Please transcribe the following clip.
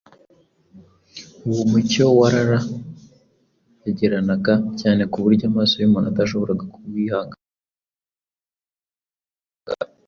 Uwo mucyo wararabagiranaga cyane ku buryo amaso y’umuntu atashoboraga kuwihanganira.